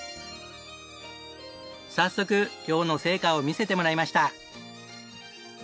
早速漁の成果を見せてもらいました。